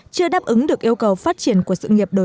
chưa đáp ứng được yêu cầu phát triển của sự nghiệp đổi mới